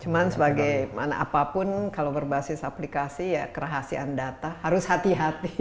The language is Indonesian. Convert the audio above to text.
cuma sebagai mana apapun kalau berbasis aplikasi ya kerasian data harus hati hati